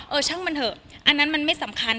ช่างมันเถอะอันนั้นมันไม่สำคัญ